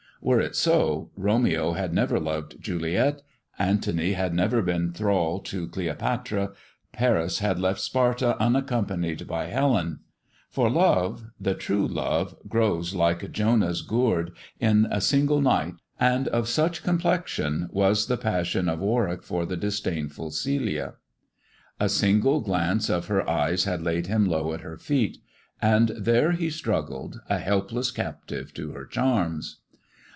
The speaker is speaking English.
Were it so, Borneo had never loved Juliet; Antony had never been thrall to Cleopatra ; Paris had left Sparta unaccompanied by Helen ; for love, the true love, grows, like Jonah's gourd, in a single night, and of such complexion was the passion of Warwick for the disdainful Celia. A single glance of her eyes had laid him low at her feet, and there he struggled a helpless captive to her charms.